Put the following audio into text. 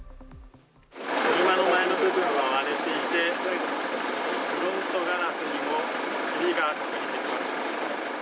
車の前の部分が割れていて、フロントガラスにもひびが入っています。